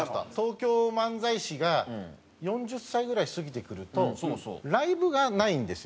東京漫才師が４０歳ぐらい過ぎてくるとライブがないんですよ。